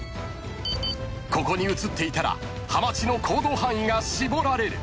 ［ここに映っていたらはまちの行動範囲が絞られる］